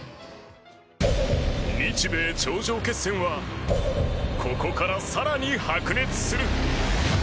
日米頂上決戦はここから更に白熱する。